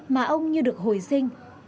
mà ông như được hồi sinh